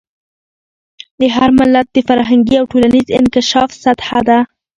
د هر ملت د فرهنګي او ټولنیز انکشاف سطح.